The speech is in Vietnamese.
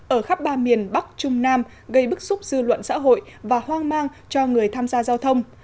ở khắp ba miền bắc trung nam gây bức xúc dư luận xã hội và hoang mang cho người tham gia giao thông